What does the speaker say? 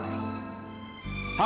aku bukan fadil